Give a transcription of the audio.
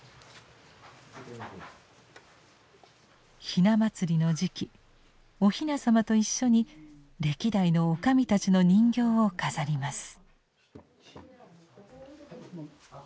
ひな祭りの時期おひな様と一緒に歴代の女将たちの人形を飾ります。